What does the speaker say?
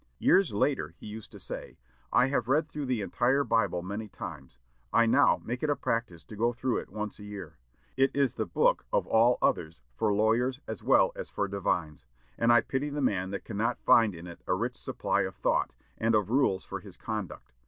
Years after, he used to say, "I have read through the entire Bible many times. I now make it a practice to go through it once a year. It is the book of all others for lawyers as well as for divines; and I pity the man that cannot find in it a rich supply of thought, and of rules for his conduct.